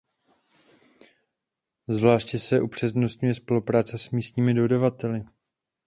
Zvláště se upřednostňuje spolupráce s místními dodavateli.